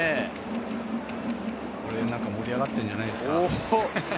なんか盛り上がっているんじゃないですか。